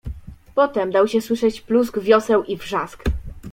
"Potem dał się słyszeć plusk wioseł i wrzask."